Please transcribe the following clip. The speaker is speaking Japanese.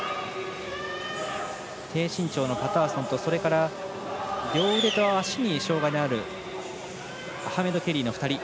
低身長のパターソンとそれから、両腕と足に障がいのあるアハメド・ケリーの２人。